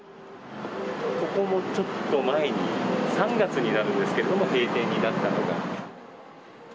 ここもちょっと前に、３月になるんですけれども、閉店になったのが。